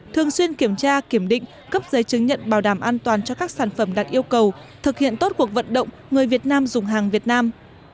thường xuyên kiểm tra kiểm định cấp giấy chứng nhận bảo đảm an toàn cho các sản phẩm đạt yêu cầu thực hiện tốt cuộc vận động người việt nam dùng hàng việt nam